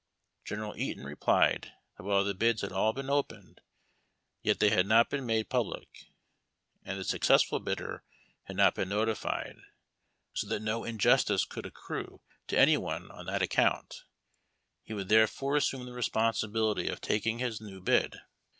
General Eaton replied that wdiile the bids liad all been opened, yet they had not been made public, and the successful bidder had not been notified, so that no injustice could accrue to any one on that account; he would therefore assume the responsibility of taking his ncAV bid.